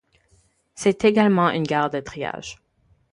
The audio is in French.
C'est également une gare de triage.